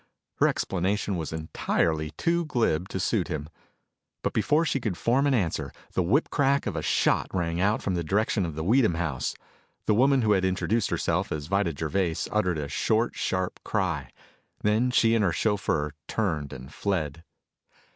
Her explanation was entirely too glib to suit him. But before she could form an answer, the whip crack of a shot rang out from the direction of the Weedham house. The woman who had introduced herself as Vida Gervais uttered a short, sharp cry. Then she and her chauffeur turned and fled.